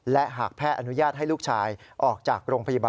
และหากแพทย์อนุญาตให้ลูกชายออกจากโรงพยาบาล